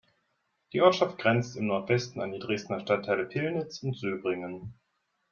Die Ortschaft grenzt im Nordwesten an die Dresdner Stadtteile Pillnitz und Söbrigen.